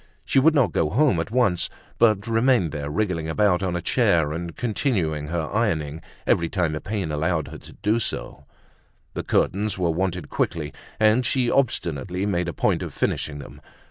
She would not go home at once, but remained there wriggling about on a chair, and continuing her ironing every time the pain allowed her to do so; the curtains were wanted quickly and she obstinately made a point of finishing them.